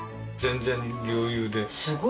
全然余裕です。